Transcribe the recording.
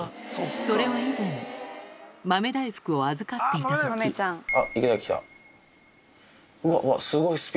それは以前豆大福を預かっていた時池崎。